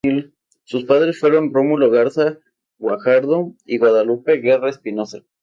Sus padres fueron Rómulo Garza Guajardo y Guadalupe Guerra Espinoza.